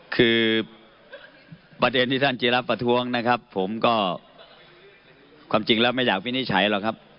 คือประเด็นที่ท่านจีระประท้วงนะครับผมก็ความจริงแล้วไม่อยากวินิจฉัยหรอกครับ